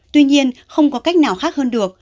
tuy nhiên không có cách nào khác hơn được